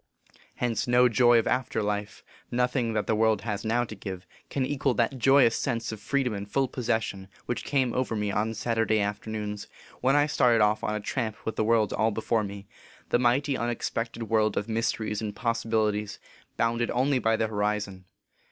Hence, no joy of after life nothing that the world has now to give can equal that joyous sense of freedom and full possession which came over me on Saturday afternoons, when I started off on a tramp with the world all before me, the mighty, unex plored world of mysteries and possibilities, bounded only by the horizon.